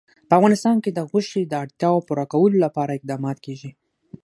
په افغانستان کې د غوښې د اړتیاوو پوره کولو لپاره اقدامات کېږي.